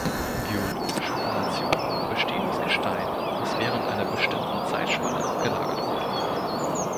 Geologische Formationen bestehen aus Gestein, das während einer bestimmten Zeitspanne abgelagert wurde.